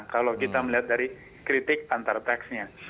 kalau kita melihat dari kritik antar teksnya